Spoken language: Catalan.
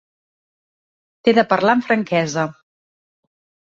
T'he de parlar amb franquesa.